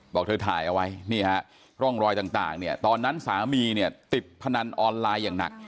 บอกเธอถ่ายเอาไว้นี่ฮะร่องรอยต่างเนี่ยตอนนั้นสามีเนี่ยติดพนันออนไลน์อย่างหนัก